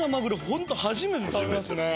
本当初めて食べますね。